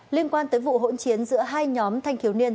liên quan tới vụ hỗn chiến giữa hai nhóm thanh thiếu niên